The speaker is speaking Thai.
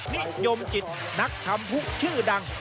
นิยมจิตนักทำฮุกชื่อดัง